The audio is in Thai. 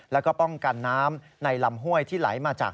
แล้วก็ป้องกันน้ำในลำห้วยที่ไหลมาจาก